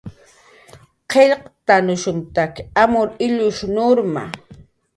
Qillqt'anushumtakiq amur illush nurma